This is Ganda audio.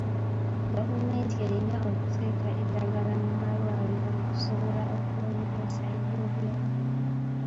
Gavumenti erina okuteeka eddagala mu malwaliro okusobola okulongoosa eby'obulamu.